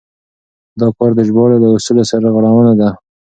دا کار د ژباړې له اصولو سرغړونه ده.